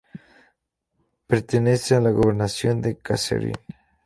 Pertenece a la Gobernación de Kasserine.